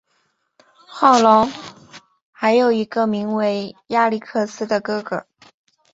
翰劳还有一个名为亚历克斯的哥哥。